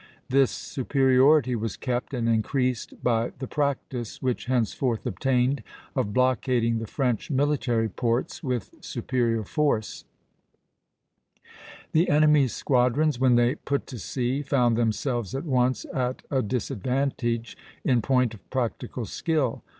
This superiority was kept and increased by the practice, which henceforth obtained, of blockading the French military ports with superior force; the enemy's squadrons when they put to sea found themselves at once at a disadvantage in point of practical skill.